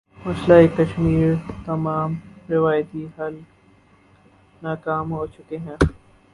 مسئلہ کشمیر کے تمام روایتی حل ناکام ہو چکے ہیں۔